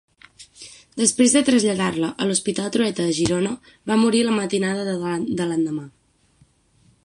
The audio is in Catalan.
Després de traslladar-la a l'hospital Trueta de Girona, va morir la matinada de l'endemà.